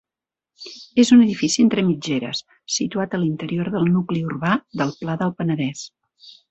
És un edifici entre mitgeres, situat a l'interior del nucli urbà del Pla del Penedès.